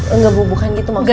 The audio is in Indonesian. enggak bu bukan gitu maksudnya